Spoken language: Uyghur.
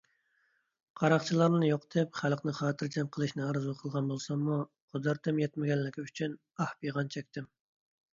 قاراقچىلارنى يوقىتىپ، خەلقنى خاتىرجەم قىلىشنى ئارزۇ قىلغان بولساممۇ، قۇدرىتىم يەتمىگەنلىكى ئۈچۈن ئاھ - پىغان چەكتىم.